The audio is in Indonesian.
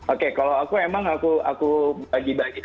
oke kalau aku emang aku bagi bagi